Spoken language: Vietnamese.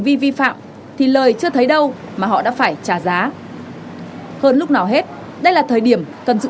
vi vi phạm thì lời chưa thấy đâu mà họ đã phải trả giá hơn lúc nào hết đây là thời điểm cần sự